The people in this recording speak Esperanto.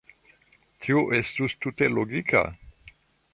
Tio estus tute logika.